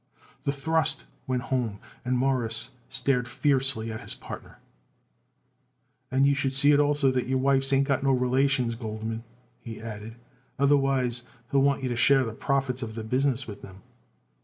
The thrust went home and Morris stared fiercely at his partner. "And you should see it also that his wife ain't got no relations, Goldman," he added, "otherwise he'll want you to share the profits of the business with them."